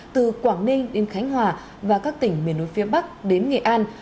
từ quảng ninh đến khánh hòa và các tỉnh miền núi phía bắc đến nghệ an